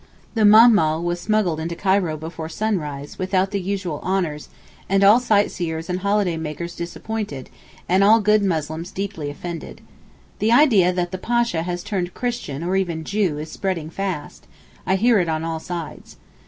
The Mahmal was smuggled into Cairo before sunrise, without the usual honours, and all sightseers and holiday makers disappointed, and all good Muslims deeply offended. The idea that the Pasha has turned Christian or even Jew is spreading fast; I hear it on all sides.